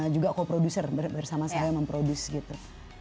juga co producer bersama saya memproduce gitu